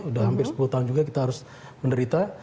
sudah hampir sepuluh tahun juga kita harus menderita